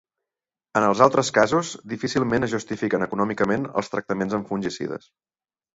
En els altres casos, difícilment es justifiquen econòmicament els tractaments amb fungicides.